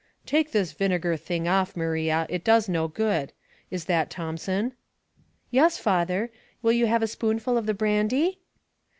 "Take this vinegar thing off, Maria; it doea no good. Is that Thomson ?"" Yes, father. Will you have a spoonful of the brandy